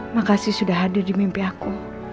makasih sudah hadir di mimpi aku